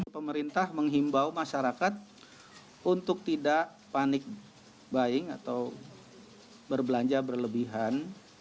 pemerintah menghimbau masyarakat untuk tidak panik buying atau berbelanja berlebihan